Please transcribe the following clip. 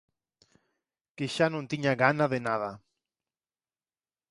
Que xa non tiña gana de nada.